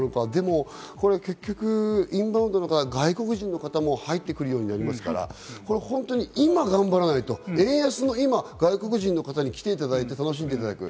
結局インバウンドとか、外国人の方も入ってくるようになりますから、今頑張らないと、円安の今、外国人の方に来ていただいて楽しんでいただく。